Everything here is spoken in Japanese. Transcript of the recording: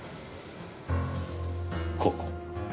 ここ。